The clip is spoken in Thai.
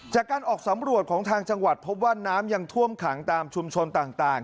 จากการออกสำรวจของทางจังหวัดพบว่าน้ำยังท่วมขังตามชุมชนต่าง